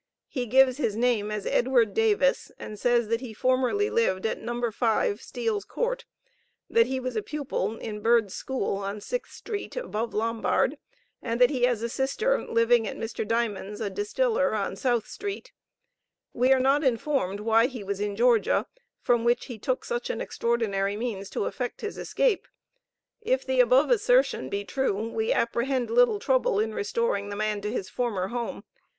He gives his name as Edward Davis, and says that he formerly lived at No. 5 Steel's court, that he was a pupil in Bird's school, on Sixth St. above Lombard, and that he has a sister living at Mr. Diamond's, a distiller, on South St. We are not informed why he was in Georgia, from which he took such an extraordinary means to effect his escape. If the above assertion be true, we apprehend little trouble in restoring the man to his former home.